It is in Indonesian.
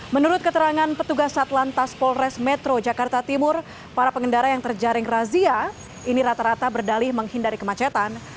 menurut keterangan petugas satlantas polres metro jakarta timur para pengendara yang terjaring razia ini rata rata berdalih menghindari kemacetan